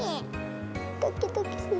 ドキドキする。